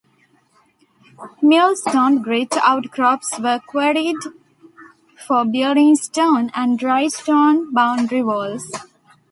Millstone grit outcrops were quarried for building stone and dry stone boundary walls.